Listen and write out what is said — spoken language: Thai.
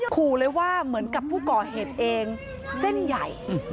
ขู่เลยว่าเหมือนกับผู้ก่อเหตุเองเส้นใหญ่